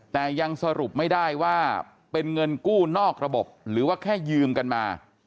แต่ยังสรุปไม่ได้ว่าเป็นเงินกู้นอกระบบหรือว่าแค่ยืมกันมา